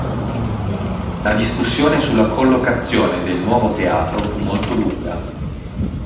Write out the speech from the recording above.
La discussione sulla collocazione del nuovo teatro fu molto lunga.